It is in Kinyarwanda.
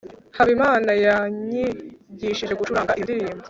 habimana yanyigishije gucuranga iyo ndirimbo